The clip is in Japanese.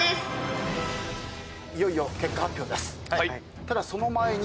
いよいよ結果発表です。